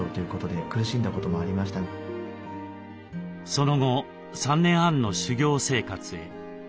その後３年半の修行生活へ。